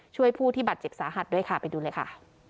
ผู้ที่บาดเจ็บสาหัสด้วยค่ะไปดูเลยค่ะ